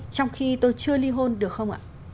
thì tôi chưa ly hôn được không ạ